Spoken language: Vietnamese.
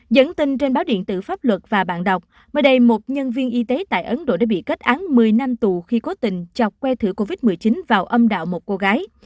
dẫn tin trên báo điện tử pháp luật và bạn đọc mới đây một nhân viên y tế tại ấn độ đã bị kết án một mươi năm tù khi cố tình chọc que thử covid một mươi chín vào âm đạo một cô gái